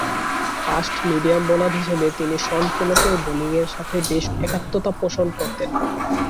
Fast-medium bowler হিসেবে তিনি Shaun পোলকের বোলিংয়ের সাথে বেশ একাত্মতা পোষণ করতেন।